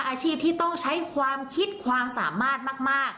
อาชีพที่ต้องใช้ความคิดความสามารถมาก